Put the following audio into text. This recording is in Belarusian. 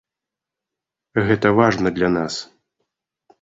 Гэта важна для нас.